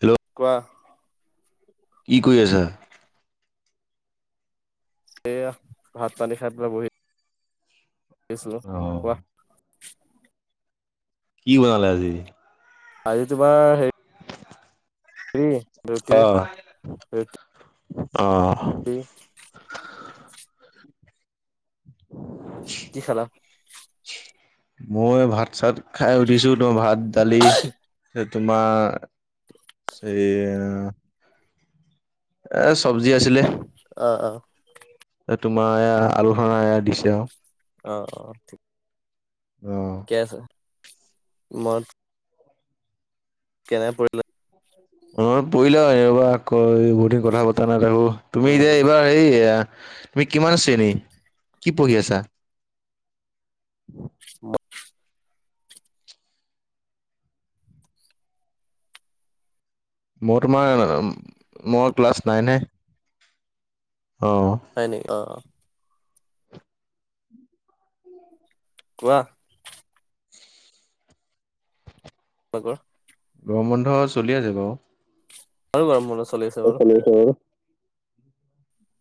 Hello কোৱা, কি কৰি আছা? এয়া ভাত-পানী খাই পেলাই বহি আছিলোঁ, অহ কোৱা কি বনালে আজি? আজি তোমাৰ ৰুটি, অ'। [inaudible] কি খালা? মই ভাত-চাত খাই উঠিছোঁ। তোমাৰ ভাত, দালি, তোমাৰ চেইয়া এ চবজি আছিলে। অ', অ'! তোমাৰ এয়া আলোহনা এয়া দিছে আও। অ', অ'! অ'। ঠিকে আছে। মই কেনে পৰিলা? [unintelligible] এইয়া, উম তুমি কিমান শ্ৰেণী, কি পঢ়ি আছাঁ? মই তোমাৰ মই ক্লাছ নাইনহে। অ'। হয় নেকি? অ'। কোৱা [unintelligible] গৰম বন্ধ চলি আছে বাও। আমাৰো গৰম বন্ধ চলি আছে বাৰু। অঁ,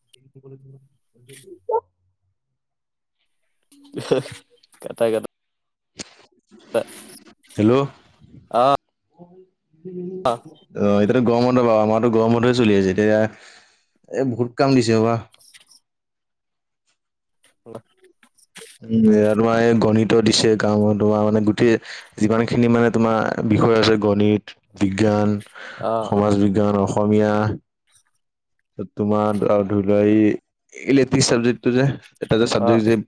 [inaudible] [unintelligible] [inaudible] [inaudible] হেল্ল', অ অ আহ এতিয়া এতিয়া গৰম বন্ধ পাবা, আমাতো গৰম বন্ধই চলি আছে, এতিয়া এই বহুত কাম দিছে ৰবা। [inaudible] উম তোমাৰ এই গণিতৰ দিছে গাঁও তোমাৰ মানে গোটেই, যিমানখিনি মানে তোমাৰ বিষয় আছে গণিত, বিজ্ঞান সমাজ বিজ্ঞান, অসমীয়া তোমাৰ আও ধৰি লোৱা এই ইলেক্টিক চাবজেক্টটো যে এটা যে অ অ চাবজেক্ট যে,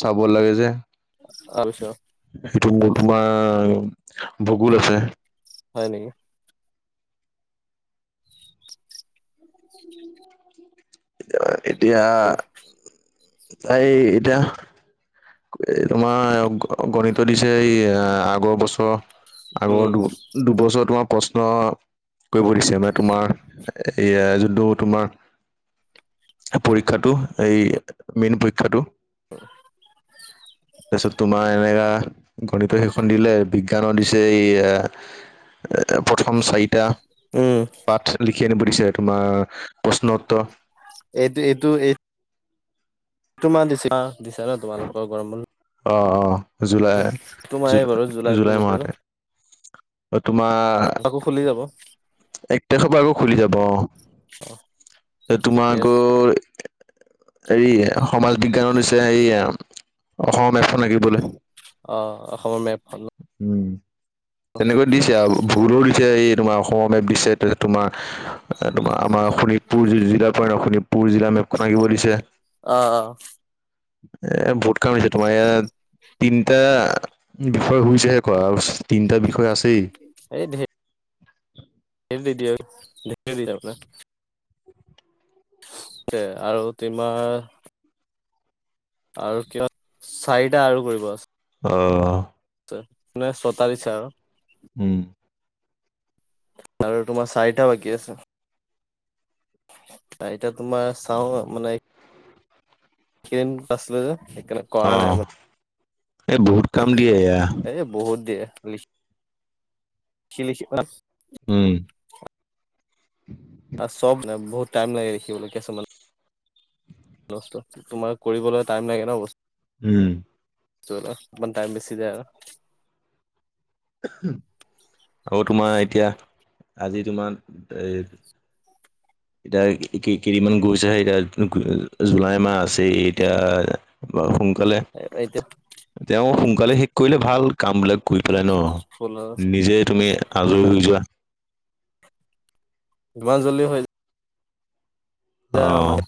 চাব লাগে যে, আচ্ছা, [inaudible] সেইটো মোৰ তোমাৰ ভূগোল আছে! হয় নেকি! এতিয়া এই এতিয়া এই, এ তোমাৰ গণিত দিছে এই এ আগৰ বছৰৰ উম আগৰ দুবছৰ তোমাৰ প্ৰশ্ন, কৰিব দিছে মানে তোমাৰ এইয়া যোনটো তোমাৰ, পৰীক্ষাটো এই মেইন পৰীক্ষাটো, অঁ তাৰপিছত তোমাৰ এনে কা গণিত সেইখন দিলে বিজ্ঞানৰ দিছে এই, এ প্ৰথম চাৰিটা উম পাঠ লি লিখি আনিব দিছে তোমাৰ প্ৰশ্ন উত্তৰ, এইটো এইটো এই, তোমাৰ দিছা দিছা ন তোমালোকৰ গৰম বন্ধ, অঁ, অঁ, জুলাই তোমাৰ এই বাৰু জুলাইতো জুলাই গোটেইটো মাহতে তোমাৰ আকৌ খুলি যাব, এক তাৰিখৰ পৰা আকৌ খুলি যাব অঁ তোমাৰ ঠিকে আছে আগৰ, এই সমাজ বিজ্ঞানৰনিচিনা এই অসম মেপ খন আঁকিবলে, অঁ অসমৰ মেপ খন! উম তেনেকৈ দিছে আও ভুলো দিছে এই তোমাৰ অসম মেপ দিছে তোমাৰ তোমাৰ আমাৰ অসমৰ শোণিতপুৰ জি জিলাৰ পৰা শোণিতপুৰ জিলা মেপখন আঁকিব দিছে! অঁ, অঁ এ বহুত কাম হৈছে তোমাৰ এইয়াত তিনিটা বিষয় হৈছে হে কৰা তিনটা বিষয় আছেই! এই ধেৎ, ধ দি আৰু ধ দি আপোনাৰ [unintelligible] আৰু তোমাৰ আৰু কিয় চাৰিটা আৰু কৰিব আছে! অঁ মানে ছটা দিছে আৰু উম আৰু তোমাৰ চাৰিটা বাকী আছে! চাৰিটা তোমাৰ চাও মানে, ক্ৰীম আছিলে যে সেইকাৰণে অ কৰা নাই মানে এই বহুত কাম দিয়ে এয়া এ বহুত দিয়ে লিষ্টত কি লিখিবা উম [unintelligible] তা চব না বহুত টাইম লাগে লিখবলে কিছুমান। তোমাৰ কৰিবলৈ টাইম লাগে ন বস্তু উম। [unintelligible] টাইম বেছি যায় আৰু আৰু তোমাৰ এতিয়া আজি তোমাৰ এই এতিয়া কেইদিনমান গৈছে এতিয়া জুলাই মাহ আছেই এতিয়া সোনকালে, আৰু এতিয়া তেওঁ সোনকালে শেষ কৰিলে ভাল কাম বিলাক। কৰি পেলাই ন, নিজেই তুমি আজৰি হৈ যোৱা। যিমান জল্দি হৈ যায়, যা অ আমাকে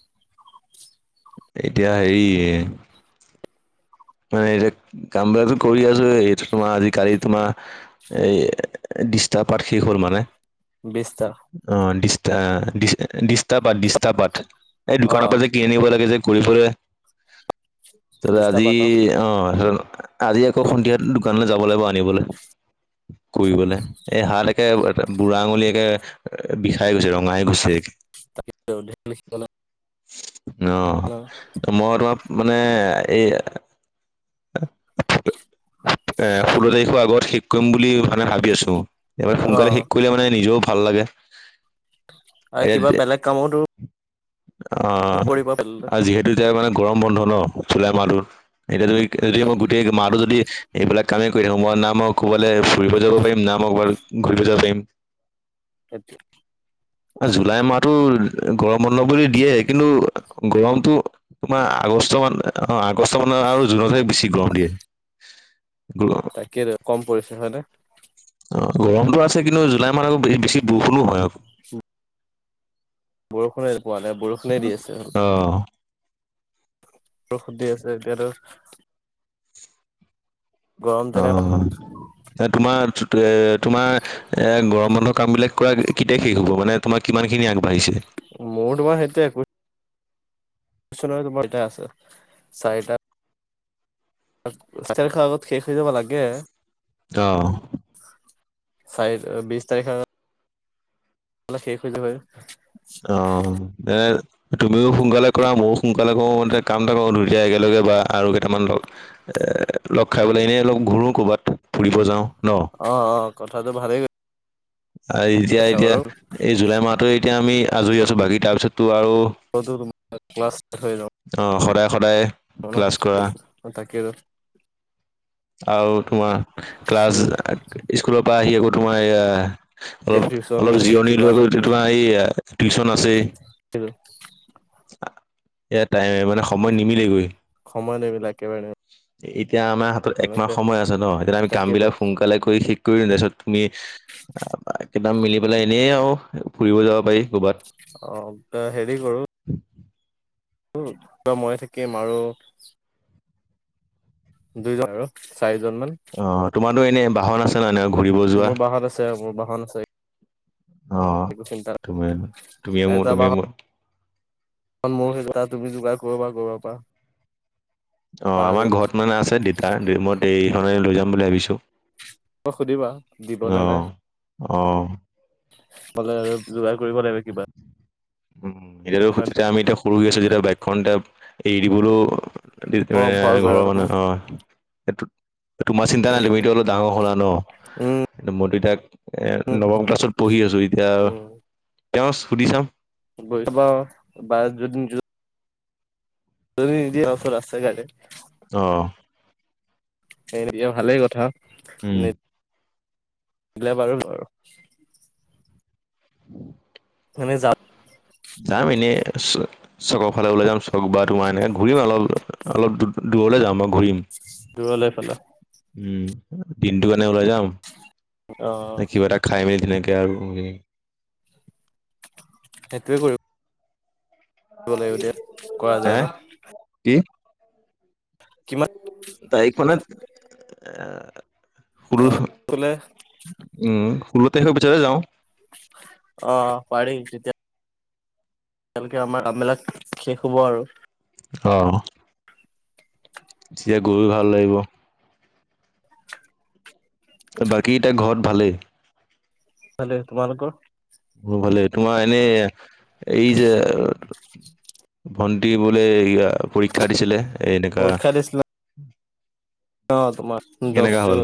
এতিয়া হেৰিএ মানে এতিয়া কাম বিলাকো কৰি আছো এইটো তোমাৰ আজ কালি তোমাৰ এই ডৃষ্টাৰ পাত শেষ হ'ল মানে। বিছটা। অৱ ডিষ্টা ডিষ্ট ডিষ্টাপাত ডিষ্টাপাত এই অ দোকানৰ পৰা যে কিনি আনিব লাগে যে কৰিবলে। ডিষ্টা পাত অ অৱ আজি আকৌ সন্ধিয়া দোকানলৈ যাব লাগিব আনিবলে। কৰিবলে। এই হাত একে বুঢ়া আঙুলিয় একে বিষাই গৈছে ৰঙাই হৈছে। [unintelligible] অৱ। হেল্ল' মই তোমাক মানে এই এ ষোল্ল তাৰিখৰ আগত শেষ কৰিম বুলি মানে ভাবি আছো। এমানে সোনকালে শেষ কৰিলে মানে নিজেও ভাল লাগে। আৰু কিবা বেলেগ কামতো অৱ কৰিব পাৰিলে আৰু যিহেতু এতিয়া মানে গৰম বন্ধ ন জুলাই মাহটো। এতিয়া যদি যদি মই গোটেই মাহটো যদি এইবিলাক কামেই কৰি থাকো মই নাম ম ক'ৰবালৈ ফুৰিব যাব পাৰিম না মোৱাইল ঘূৰিব যাব পাৰিম। সেইটো এ। জুলাই মাহতটো গৰম বন্ধ বুলি দিয়ে কিন্তু গৰমতটো তোমাৰ আগষ্ট মান অ আগষ্ট মানৰ আৰু জুনতহে বেছি গৰম দিয়ে। তাকেতু কম পৰিছে হয়নে? অৱ গৰমতটো আছে কিন্তু জুলাই মাহত আকৌ বেছি বষুুণো হয় আক। বৰষুণে পোৱা নাই বৰষু অৱ। ঔষধ দি আছে এতিয়াতো। গৰম তেনে অৱ। এ তোমাৰ এ তোমাৰ এ গৰম বন্ধৰ কাম বিলাক কৰা কেতিয়া শেষ হ'ব মানে তোমাৰ কিমান খিনি আগবাঢ়িছে? মোৰ তোমাৰ সেইটোএ [unintelligible] তোমাৰ এতিয়া আছে চাৰিটা [unintelligible] আগত শেষ হৈ যাব লাগে। অ চাৰিত অ বিছ তাৰিখে অলে শেষ হৈ যোৱাই অ দে তুমিও সোনকালে কৰা মও সোনকালে কৰো মতে কাম এটা কৰো দুইটাই একেলগে বা আৰু কেইটামান ল- এ লগ খাই মেলি এনেই লগ ঘুৰো কবাত ফুৰিব যাওঁ ন অ অ কথাটো ভালেই ক- আৰু এতিয়া এতিয়া এই জুলাই মাহটো এতিয়া আমি আজৰি আছো বাকী তাৰপিছতো আৰু অটো তোমাৰ ক্লাছ [unintelligible] অ সদায় সদায় অ ক্লাছ কৰা ন তাকে আৰু আৰু তোমাৰ ক্লাছ উম স্কুলৰ পৰা আহি আকৌ তোমাৰ এয়া অলপ টিউচনো অলপ থাকে জিৰণি কিবা লোৱা গৈ তো থাকে তোমাৰ এইয়া টিউচন আছেই। এয়া টাইম মানে সময় নিমিলেগৈ। সময় নিমিলে একেবাৰে নিমিলে এতিয়া আমাৰ হাতত একমাহ সময় আছে ন এতিয়াতো আমি কাম তাকেইতো বিলাক সোনকালে কৰি শেষ কৰিম তাছত তুমি [unintelligible] মিলিপ বোলে এনেই আৰু ফুৰিব যাব পাৰি কবাত। অ ত হেৰি কৰো কৰো ত ময়ে থাকিম আৰু দুইজন আৰু চাৰিজন মান অ তোমাৰতো এনেই বাহন আছে নে নাই ঘুৰিব যোৱা মোৰ বাহত আছে মোৰ বাহন আছে অ একো চিন্তা নাই। টোমেন তুমিয়ে এটা মোৰ তুমিয়ে বাহন মোৰ মোৰ সেই গতা তুমি যোগাৰ কৰিবা কৰাৰ পৰা অ আমাৰ ঘৰত মানে আছে দিতাৰ দুই মই দেই এইখনে লৈ যাম বুলি ভাবিছো। [unintelligible] সুধিবা দিব নে নাই অ কলে আৰু যোগাৰ কৰিব লাগে কিবা উম উম এতিয়োতো হয় নে? তেতিয়া আমি এতিয়া সৰু গৈ আছো যেতিয়া বাইকখন এতিয়া এৰি দিবলো দি অ এ ভয় কৰে ঘৰৰ মানুহে অলপমান অহ এটোত তোমাৰ চিন্তা নাই লিমিটো অলপ ডাঙৰ হলা ন উম কিন্তু মইতো তাইক এ নৱম ক্লাছত পঢ়ি আছো এতিয়া তেওঁ সুধি চাম বহীটো বাও বা যোন যো যদি যদি অফাৰ আছে কাইলে অ সেন দিয়ে ভালেই কথা উম। নেট দিলে বাৰু নোৱাৰো মানে যাওঁত- যাম এনেই চ চকৰ ফালে ওলাই যাম চক বা তোমাৰ এনে ঘূৰিম অলপ অলপ দূ দূৰলে যাম আও ঘূৰিম দূৰলে কলা উম দিনটো কাৰণে ওলাই যাম অ কিবা এটা খাই মেলি ধুননিয়াকে কৈ আৰু [unintelligible] সেইটোৱে কৰিব লাগিব দিয়া কৰা যায় হেঁ ন কি? কিমান- তাৰিখ মানেত এ শুলো থোন। কলে উম ষোল্ল তাৰিখৰ পিছতে যাওঁ। অঁ অ‍ঁ পাৰি তেতিয়া তিয়ালৈকে আমাৰ কামবিলাক শেষ হ'ব আৰু। অ অঁ' থিয়ে গৈও ভাল লাগিব। বাকী এতিয়া ঘৰত ভালেই। ভালেই তোমালোকৰ? মো ভালেই তোমা এনেই এই যে- ভন্টি বোলে পৰীক্ষা দিছিলে এ এনেকা অঁ তোমা দছ কেনেকা হ'ল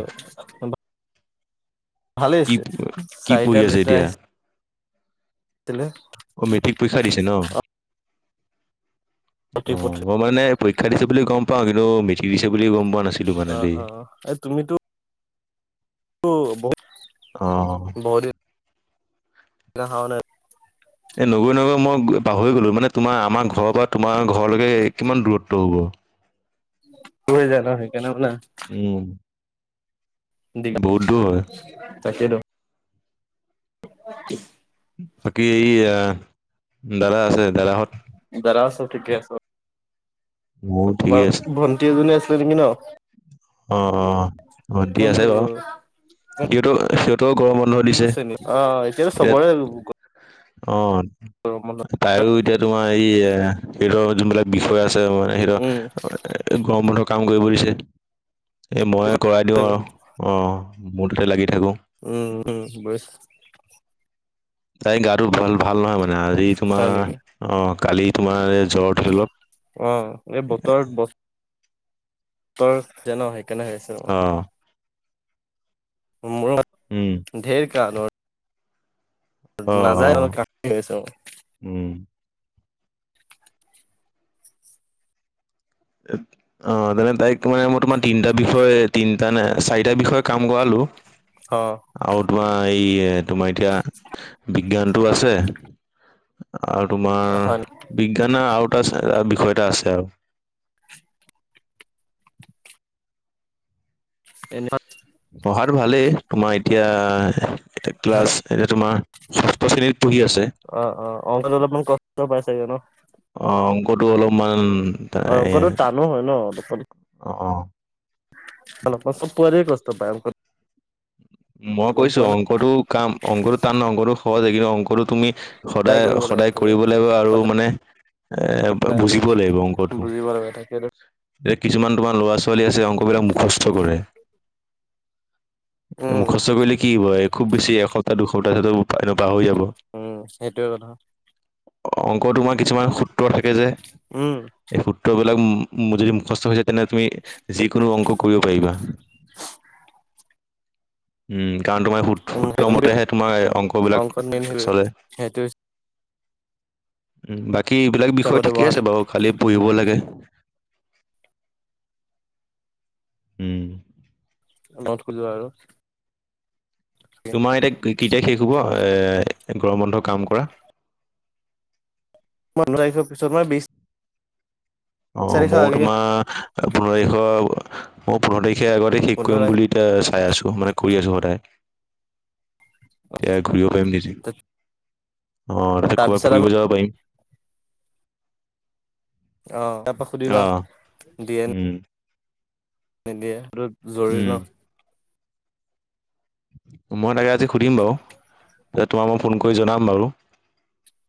কি হৈছে প কি চাৰিটা পঢ়ি আছে এতিয়া? তেলে অ মেট্ৰিক পৰীক্ষা দিছে ন। অ প্ৰতি পথে মই মানে পৰীক্ষা দিছে বুলি গম পাওঁ কিন্তু মেট্ৰিক দিছে বুলি গম পোৱা নাছিলো। মানে অঁ দেই অঁ এ তুমিতো তো বহুত অঁ' বহুদিন অহাও নাই। এ নগৈ নগৈ মই পাহৰি গ'লোঁ মানে তোমাৰ আমাৰ ঘৰৰ পৰা তোমাৰ ঘৰলৈকে কিমান দূৰত্ব হ'ব? তুহে যান সেই কানে হবলা- উম। বহুত দূৰ হয়। তাকেইটো। [unintelligible] বাকী এই আহ দাদা আছে দাদাহঁত। দাদাৰ আছ ঠিকেই আছ। মোৰ ঠিকে তোমাৰ আছে ভণ্টি এজনী আছিলে নেকি ন। অঁ অঁ অঁ ভন্টি আছে কোনটো বাৰু সিহঁতো সিহঁতও গৰমত বন্ধ কোনটো দিছে শ্ৰেণী অ এতিয়াতো ইয়াত চবৰে অঁ'। গৰম বন্ধত তাইৰো এতিয়া তোমাৰ এই এ সিহঁতৰ জোনবিলাক বিষয় আছে মানে হেঁত উম এ গৰম বন্ধৰ কাম কৰিব দিছে। এই মই কৰাই দিওঁ আৰু অঁ মোৰ তোতে লাগি থাকোঁ। উম উম বুজিছ তাই গাটো ভাল ভাল নহয় মানে আজি হয় নেকি তোমাৰ অঁ কালি তোমাৰ জ্বৰ ধৰি লওক। অঁ এই বতৰবত তই জান সেই কেনে হৈছ অঁ'। উম মোৰত ধেইৰ কাণত অ অ নাযায় অলপ কান এছো। উম' [unintelligible] অ তেনে তাইক মানে মই তোমাৰ তিনিটা বিষয়ে তিনিটা নে চাৰিটা বিষয়ে কাম কৰালো। অ। আৰু তোমাৰ এই তোমাৰ এতিয়া বিজ্ঞানটো আছে - আৰু তোমাৰ হয় বিজ্ঞানৰ আৰু এটা বিষয় এটা আছে আৰু। [unintelligible] পঢ়াটো ভালেই তোমাৰ এতিয়া এ ক্লাছ - এতিয়া তোমাৰ ষষ্ঠ শ্ৰেণীত পঢ়ি আছে। অ, অ অংকত অলপমান কষ্ট পাই চাগে ন? অ অংকটো অলপমান - অংকটো টানো হয় ন অলপমান। অ, অ। অলপ পাছত পোৱা যায় কষ্ট পায় অংকত। মই গম কৈছো পোৱা নে অংকটো কাম অংকটো টান ন অংকটো সহজ হয় কিন্তু অংকটো তুমি - ট্ৰাই সদায়, কৰিব লাগে সদায় খালি কৰিব লাগিব আৰু সদায় মানে - এ বা ট্ৰাই কৰি বুজিব লাগিব অংকটো। বুজিব লাগে তাকেটো এতিয়া কিছুমান তোমাৰ ল'ৰা-ছোৱালী আছে অংকবিলাক মুখস্থ কৰে। উম মুখস্থ কৰিলে কি হ'ব এই খুব বেছি এসপ্তাহ দুসপ্তাহ তাৰ পাছত পাহৰি যাব। উম, সেইটোৱে কথা। অংক তোমাৰ কিছুমান সূত্ৰ থাকে যে। উম। এই সুত্ৰবিলাক যদি মুখস্থ হৈ যায় তেনে তুমি যিকোনো অংক কৰিব পাৰিবা। উম কাৰণ তোমাৰ সূ উম সূত্ৰ মতেহে তোমাৰ অংকবিলাক অংকত মেইন সেইটোৱে চলে। সেইটো বাকী বেলেগ বিষয় হিচাপতে ঠিকে বহা আছে বাৰু খালি পঢ়িব লাগে। উম। নত খোলিল' আৰু। তোমাৰ এতিয়া কেতিয়া শেষ হ'ব এ গৰম বন্ধ কাম কৰা? পোন্ধৰ তাৰিখ পিছত মই বিশ- অ তাৰিখৰ মই আগে তোমাৰ পোন্ধৰ তাৰিখৰ মই পোন্ধৰ তাৰিখে আগতে শেষ পোন্ধৰ কৰিম বুলি - এতিয়া চাই আছো, মানে কৰি আছো সদায়, এতিয়া ঘূৰিব পাৰিম দুদিন। তাকে। অ তাকে ক'ৰবাত ফুৰিব যাব পাৰিম। অ। সুধিবা অ, দিয়ে উম। নিদিয়ে, জৰুৰী উম। ন। মই তাকে আজি সুধিম বাৰু তাৰপছত তোমাক মই ফোন কৰি জনাম বাৰু।